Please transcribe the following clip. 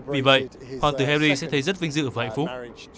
vì vậy hoàng tử harry sẽ thấy rất vinh dự và hạnh phúc